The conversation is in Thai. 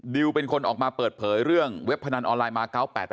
เป็นคนออกมาเปิดเผยเรื่องเว็บพนันออนไลน์มา๙๘๘